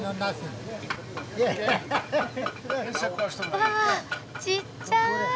うわちっちゃい！